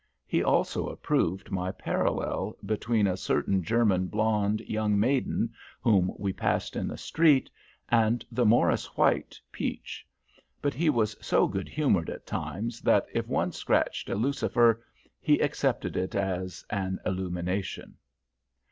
He also approved my parallel between a certain German blonde young maiden whom we passed in the street and the "Morris White" peach. But he was so good humored at times, that, if one scratched a lucifer, he accepted it as an illumination.